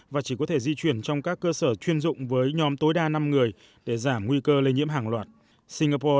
và doanh nghiệp lưu trú ngắn hàng